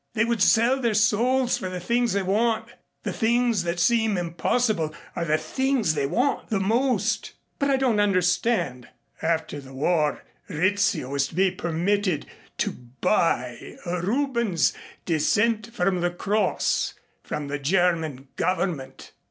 They would sell their souls for the things they want. The things that seem impossible are the things they want the most." "But I don't understand." "After the war Rizzio is to be permitted to 'buy' Rubens's 'Descent from the Cross' from the German Government."